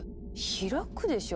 開くでしょ。